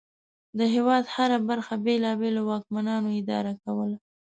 د هېواد هره برخه بېلابېلو واکمنانو اداره کوله.